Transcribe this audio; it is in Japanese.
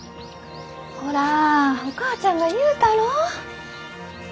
ほらお母ちゃんが言うたろう？